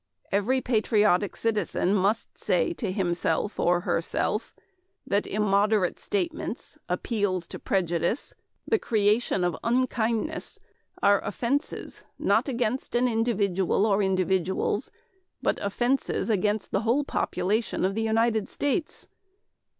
Every patriotic citizen must say to himself or herself, that immoderate statement, appeals to prejudice, the creation of unkindness, are offenses not against an individual or individuals, but offenses against the whole population of the United States.